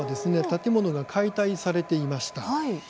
建物が解体されていました。